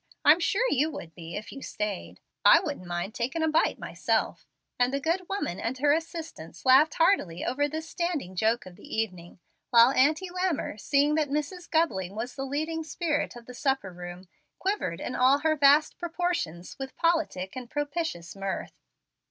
I'm sure you would be, if you stayed. I wouldn't mind taking a bite myself"; and the good woman and her assistants laughed heartily over this standing joke of the evening, while Auntie Lammer, seeing that Mrs. Gubling was the leading spirit of the supper room, quivered in all her vast proportions with politic and propitious mirth.